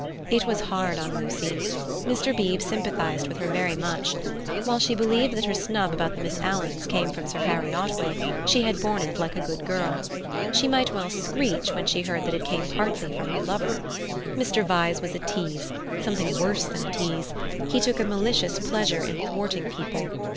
It was hard on Lucy. Mr. Beebe sympathized with her very much. While she believed that her snub about the Miss Alans came from Sir Harry Otway, she had borne it like a good girl. She might well "screech" when she heard that it came partly from her lover. Mr. Vyse was a tease—something worse than a tease: he took a malicious pleasure in thwarting people.